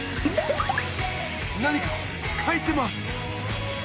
何か描いてます。